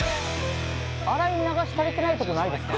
「洗い流し足りてないとこないですか？」